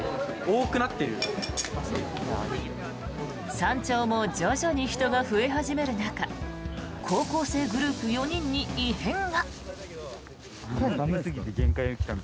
山頂も徐々に人が増え始める中高校生グループ４人に異変が。